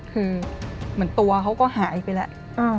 คือเหมือนตัวเขาก็หายไปแล้ว